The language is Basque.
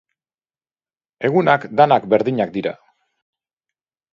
Egunak denak berdinak dira.